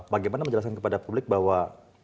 bagaimana menjelaskan kepada publik bahwa